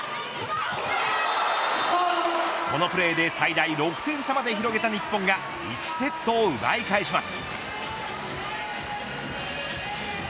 このプレーで最大６点差まで広げた日本が１セットを奪い返します。